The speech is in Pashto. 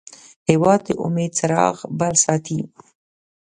هېواد د امید څراغ بل ساتي.